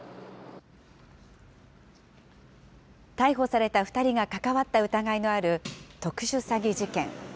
逮捕された２人が関わった疑いのある特殊詐欺事件。